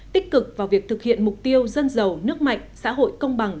tích cực vào việc thực hiện mục tiêu dân giàu nước mạnh xã hội công bằng